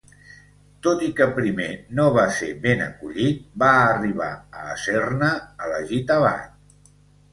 Tot i que primer no va ser ben acollit, va arribar a ésser-ne elegit abat.